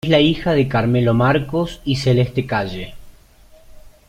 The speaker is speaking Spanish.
Es la hija de Carmelo Marcos y Celeste Calle.